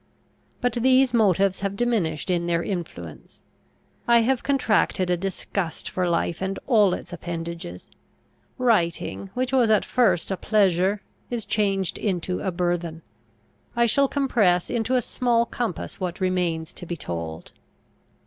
But these motives have diminished in their influence. I have contracted a disgust for life and all its appendages. Writing, which was at first a pleasure, is changed into a burthen. I shall compress into a small compass what remains to be told.